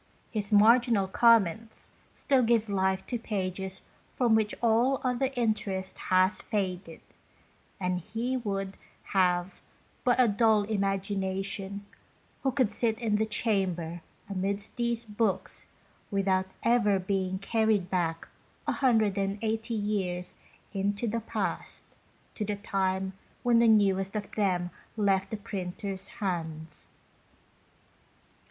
His marginal comments still give life to pages from which all other interest has faded, and he would have but a dull 20 BONE TO HIS BONE. imagination who could sit in the chamber amidst these books without ever being carried back 180 years into the past, to the time when the newest of them left the printer's hands.